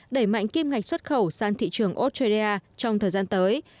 đẩy mạnh kim ngạch xuất khẩu sang thị trường australia trong thời gian tới